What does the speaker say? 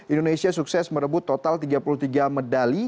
indonesia sukses merebut total tiga puluh tiga medali